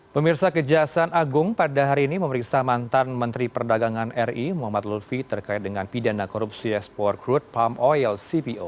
pemirsa kejaksaan agung pada hari ini memeriksa mantan menteri perdagangan ri muhammad lutfi terkait dengan pidana korupsi ekspor crude palm oil cpo